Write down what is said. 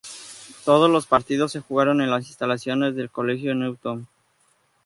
Todos los partidos se jugaron en las instalaciones del Colegio Newton.